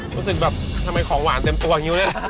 รู้สึกแบบทำไมของหวานเต็มตัว